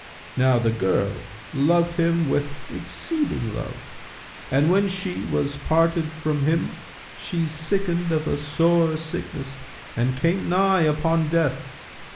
Now the girl loved him with exceeding love, and when she was parted from him, she sickened of a sore sickness and came nigh upon death.